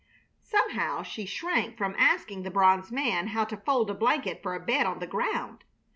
Somehow she shrank from asking the bronze man how to fold a blanket for a bed on the ground.